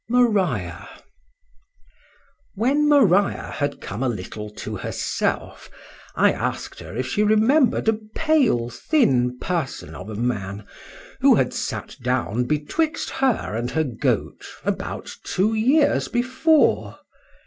MARIA. WHEN Maria had come a little to herself, I ask'd her if she remembered a pale thin person of a man, who had sat down betwixt her and her goat about two years before?